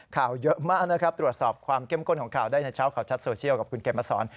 ข่าวเยอะมากนะครับตรวจสอบความเข้มข้นของข่าวได้ในเช้าข่าวชัดโซเชียลกับคุณเกมมาสอน